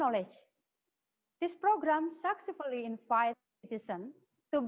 mereka tidak memiliki akses digital